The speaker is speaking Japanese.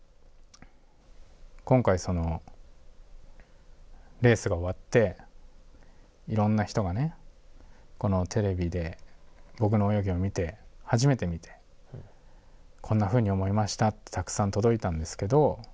今回そのレースが終わっていろんな人がねこのテレビで僕の泳ぎを見て初めて見てこんなふうに思いましたってたくさん届いたんですけど